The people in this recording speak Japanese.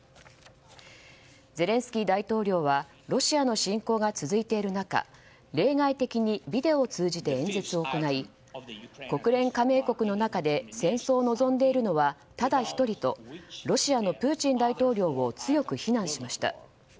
ゼレンスキー大統領はロシアの侵攻が続いている中例外的にビデオを通じて演説を行い国連加盟国の中で戦争を望んでいるのはただ１人とロシアのプーチン大統領を強く非難しました。